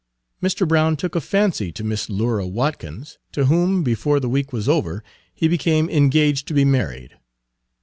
Mr. Brown took a fancy to Miss Lura Watkins, to whom, before the week was over, he became engaged to be married.